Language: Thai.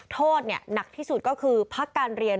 โทษหนักที่สุดก็คือพักการเรียน